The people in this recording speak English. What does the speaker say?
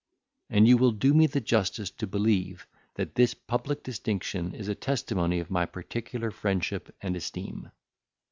And you will do me the justice to believe, that this public distinction is a testimony of my particular friendship and esteem.